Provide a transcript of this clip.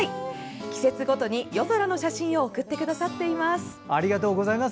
季節ごとに、夜空の写真を送ってくださっています。